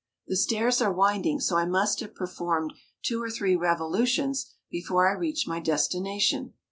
The stairs are winding, so I must have performed two or three revolutions before I reached my destination.